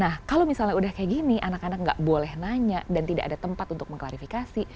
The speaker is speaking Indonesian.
nah kalau misalnya udah kayak gini anak anak nggak boleh nanya dan tidak ada tempat untuk mengklarifikasi